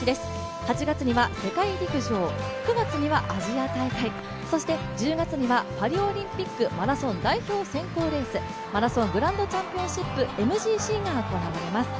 ８月には世界陸上、９月にはアジア大会、そして１０月にはパリオリンピックマラソン代表選考レースマラソングランドチャンピオンシップＭＧＣが行われます。